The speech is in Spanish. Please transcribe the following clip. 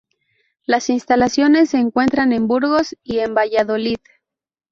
Las instalaciones se encuentran en Burgos y en Valladolid.